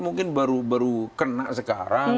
mungkin baru baru kena sekarang